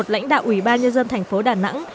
lãnh đạo ủy ban nhân dân thành phố đà nẵng